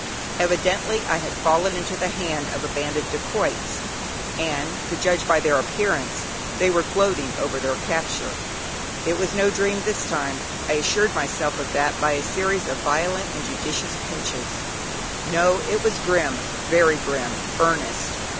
Evidently I had fallen into the hands of a band of dacoits, and to judge by their appearance, they were gloating over their capture. It was no dream this time I assured myself of that by a series of violent and judicious pinches; no! it was grim, very grim, earnest.